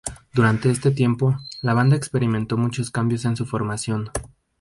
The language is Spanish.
Durante este tiempo, la banda experimentó muchos cambios en su formación.